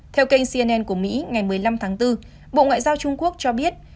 theo kênh cnn của mỹ ngày một mươi năm tháng bốn bộ ngoại giao trung quốc cho biết